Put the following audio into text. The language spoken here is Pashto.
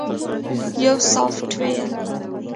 - یو سافټویر 📦